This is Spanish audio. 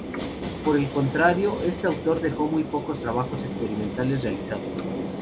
Por el contrario este autor dejó muy pocos trabajos experimentales realizados.